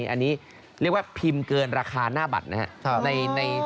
อันนี้เรียกว่าพิมพ์เกินราคาหน้าบัตรนะครับ